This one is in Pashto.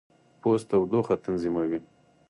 پوست تودوخه تنظیموي.